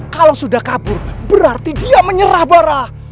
kalau sudah kabur berarti dia menyerah barah